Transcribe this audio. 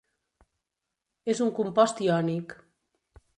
És un compost iònic.